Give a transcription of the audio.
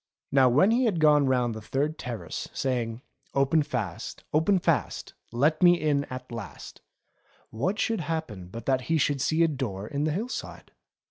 Now when he had gone round the third terrace saying : "Open fast, open fast. Let me in at last," what should happen but that he should see a door in the hill side.